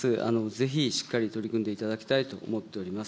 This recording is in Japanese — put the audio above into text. ぜひしっかり取り組んでいただきたいと思っております。